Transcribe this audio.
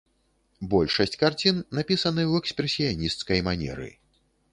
Большасць карцін напісаны ў экспрэсіянісцкай манеры.